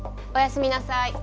おやすみなさい